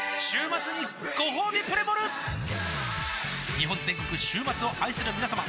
日本全国週末を愛するみなさま